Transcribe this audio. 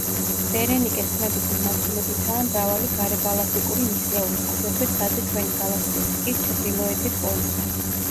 ბერენიკეს თმების მიმართულებითაა მრავალი გარეგალაქტიკური ნისლეული, აგრეთვე ცაზე ჩვენი გალაქტიკის ჩრდილოეთით პოლუსი.